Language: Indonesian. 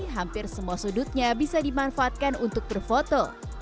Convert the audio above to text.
hampir semua sudutnya bisa dimanfaatkan untuk berfoto